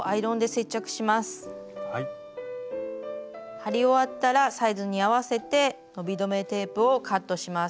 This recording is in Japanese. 貼り終わったらサイズに合わせて伸び止めテープをカットします。